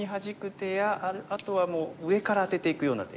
手やあとはもう上からアテていくような手が。